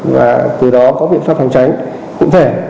và từ đó có biện pháp phòng tránh cụ thể